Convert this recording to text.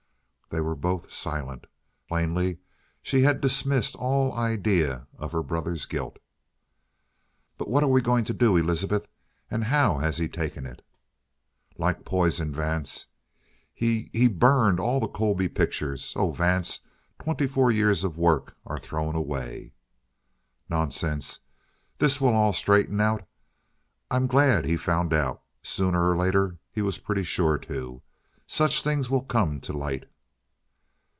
They were both silent. Plainly she had dismissed all idea of her brother's guilt. "But what are we going to do, Elizabeth? And how has he taken it?" "Like poison, Vance. He he burned all the Colby pictures. Oh, Vance, twenty four years of work are thrown away!" "Nonsense! This will all straighten out. I'm glad he's found out. Sooner or later he was pretty sure to. Such things will come to light."